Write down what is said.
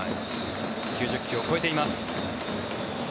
９０球を超えています。